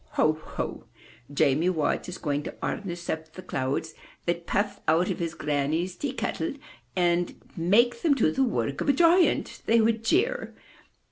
Ho, ho! Jamie Watt is going to harness up the clouds that puff out of his granny's tea kettle and make them do the work of a giant!'* they would jeer. But